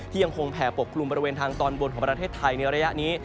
ยังคงแผ่ปกกลุ่มบริเวณทางตอนบนของประเทศไทยในระยะนี้